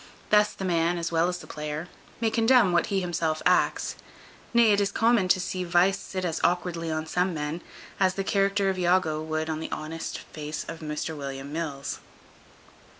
Thus the man, as well as the player, may condemn what he himself acts; nay, it is common to see vice sit as awkwardly on some men, as the character of Iago would on the honest face of Mr William Mills.